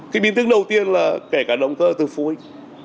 cái biên tướng đầu tiên là kể cả động cơ từ phối